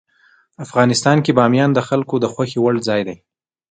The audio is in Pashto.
افغانستان کې بامیان د خلکو د خوښې وړ ځای دی.